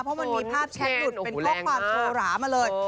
เพราะมันมีภาพแชทหลถเป็นโคตรความโทรหมาเลย